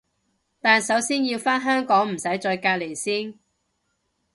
但首先要返香港唔使再隔離先